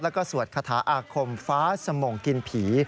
แล้วก็สวดคาถาอาคมฟ้าสมงกินผี